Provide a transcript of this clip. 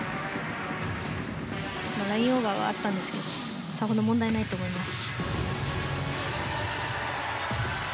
ラインオーバーはあったんですけれどもさほど問題ないと思います。